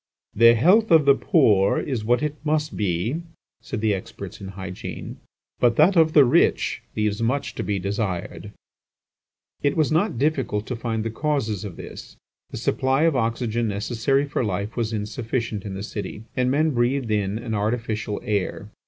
"The health of the poor is what it must be," said the experts in hygiene, "but that of the rich leaves much to be desired." It was not difficult to find the causes of this. The supply of oxygen necessary for life was insufficient in the city, and men breathed in an artificial air.